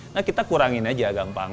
nah kita kurangin aja gampang